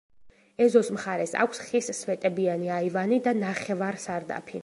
ეზოს მხარეს აქვს ხის, სვეტებიანი აივანი და ნახევარსარდაფი.